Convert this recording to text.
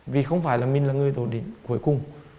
vì không phải là mình là người đổ đến cuối cùng